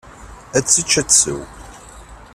Ad tečč, ad tsew.